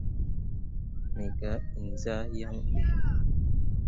Me gah inzah yaŋ ɓe.